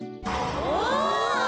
お！